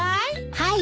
はい。